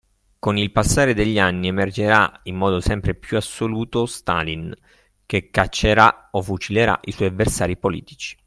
Con il passare degli anni emergerà in modo sempre più assoluto Stalin che caccerà o fucilerà i suoi avversari politici.